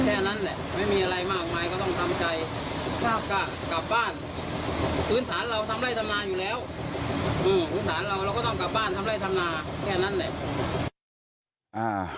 คืนฐานเราก็ต้องกลับบ้านทำลายธรรมนาแค่นั้น